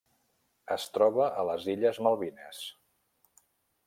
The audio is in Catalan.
Es troba a les Illes Malvines.